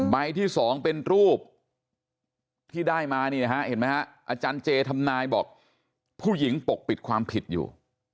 ใบที่๒เป็นรูปที่ได้มานี่นะฮะเห็นไหมฮะอาจารย์เจทำนายบอกผู้หญิงปกปิดความผิดอยู่